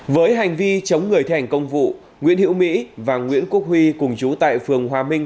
với hành vi chống người thi hành công vụ nguyễn hiễu mỹ và nguyễn quốc huy cùng chú tại phường hòa minh